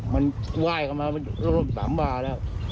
มันไหว้เข้ามามันลงลง๓วาแล้ว